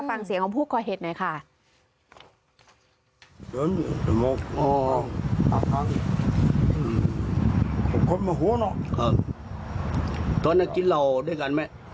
ฟังเสียงของผู้ก่อเหตุหน่อยค่ะ